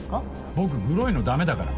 僕グロいのダメだから。